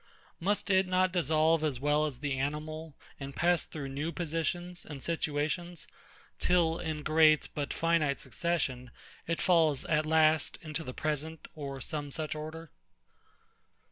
Must it not dissolve as well as the animal, and pass through new positions and situations, till in great, but finite succession, it falls at last into the present or some such order?